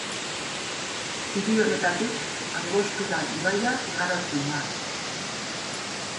Hiri honetatik Angostura ibaia igarotzen da.